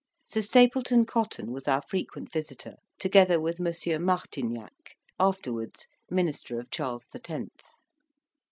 Sir Stapylton Cotton was our frequent visitor, together with M. Martignac, afterwards Minister of Charles the Tenth.